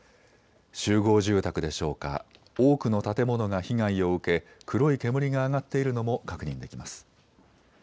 集合住宅でしょうか、多くの建物が被害を受け黒い煙が上がっているのも確認できます。